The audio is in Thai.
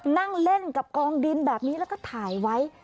นั่งเล่นกับกองดินแบบนี้แล้วก็ถ่ายไว้